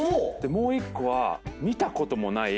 もう１個は見たこともない。